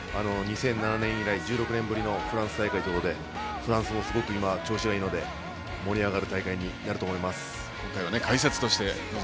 ２００７年以来１６年ぶりのフランス大会ということでフランスもすごく調子がいいので盛り上がる大会になると思います。